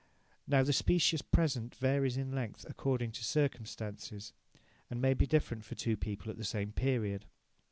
Now the "specious present" varies in length according to circumstances, and may be different for two people at the same period.